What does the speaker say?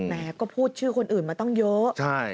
ก็พูดชื่อคนอื่นมาตั้งเยอะ